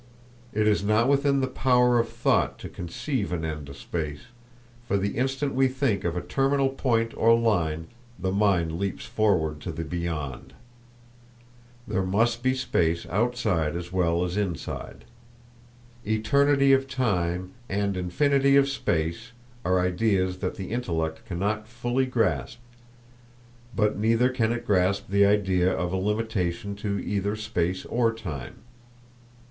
It is not within the power of thought to conceive an end to space, for the instant we think of a terminal point or line the mind leaps forward to the beyond. There must be space outside as well as inside. Eternity of time and infinity of space are ideas that the intellect cannot fully grasp, but neither can it grasp the idea of a limitation to either space or time.